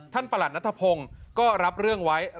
ประหลัดนัทพงศ์ก็รับเรื่องไว้